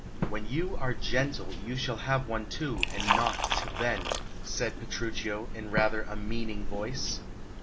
"When you are gentle, you shall have one too, and not till then," said Petruchio, in rather a meaning voice.